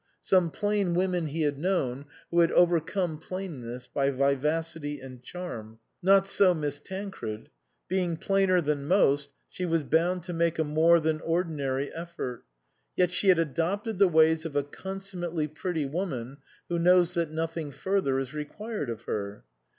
Some plain women he had known who had overcome plainness by vivacity and charm. Not so Miss Tancred. Being plainer than most she was bound to make a more than ordinary effort, yet she had adopted the ways of a con summately pretty woman who knows that nothing further is required of her.